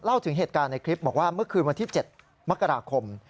เล่าถึงเหตุการณ์ในคลิปบอกว่าเมื่อคืนวันที่๗มกราคม